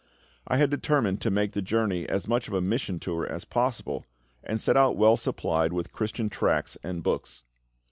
I had determined to make the journey as much of a mission tour as possible, and set out well supplied with Christian tracts and books.